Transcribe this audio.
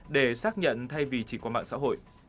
để xác nhận thay vì chỉ có mạng xã hội